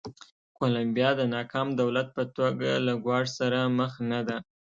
کولمبیا د ناکام دولت په توګه له ګواښ سره مخ نه ده.